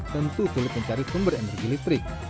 tentu sulit mencari sumber energi listrik